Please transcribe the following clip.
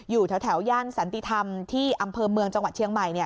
อยู่แถวย่านสันติธรรมที่อำเภอเมืองจังหวัดเชียงใหม่